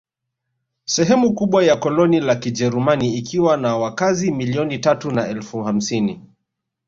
Sehemu kubwa ya koloni la Kijerumani ikiwa na wakazi milioni tatu na elfu hamsini